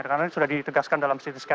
karena ini sudah ditegaskan dalam ct scan